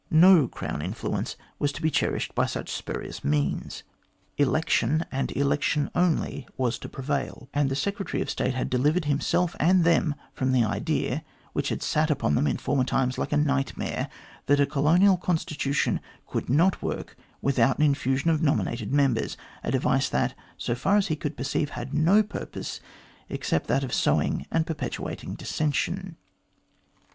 No Crown influence was to be cherished by such spurious means; election, 218 THE GLADSTONE COLONY and election only, was to prevail; and the Secretary of State had delivered himself and them from the idea, which had sat upon them in former times like a nightmare, that a colonial constitution could not work without an infusion of nominated members a device that, so far as he could perceive, had no purpose except that of sowing and per petuating dissension.